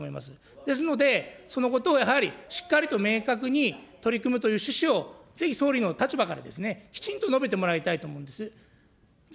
ですので、そのことをやはりしっかりと明確に取り組むという趣旨を、ぜひ総理の立場からきちんと述べてもらいたいと思うんです。